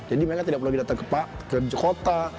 jadi mereka tidak perlu lagi datang ke pak ke kota